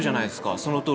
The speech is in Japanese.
そのとおりです。